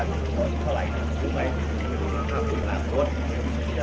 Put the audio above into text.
เมืองอัศวินธรรมดาคือสถานที่สุดท้ายของเมืองอัศวินธรรมดา